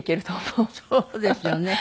そうですよね。